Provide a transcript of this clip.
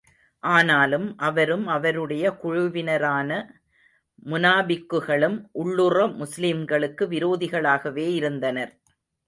ஆனாலும் அவரும், அவருடைய குழுவினரான முனாபிக்குகளும் உள்ளுற முஸ்லிம்களுக்கு விரோதிகளாகவே இருந்தனர்.